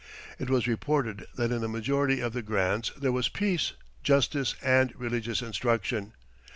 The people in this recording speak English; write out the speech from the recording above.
It was reported that in a majority of the grants there was peace, justice and religious instruction.